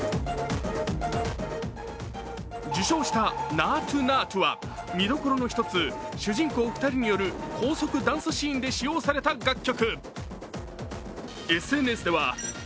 受賞した「ＮａａｔｕＮａａｔｕ」は見どころの一つ、主人公２人による高速ダンスシーンで使用された楽曲。